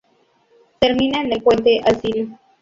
Termina en el Puente Alsina.